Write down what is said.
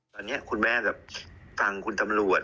ตอนนี้คุณแม่แบบฟังคุณตำรวจ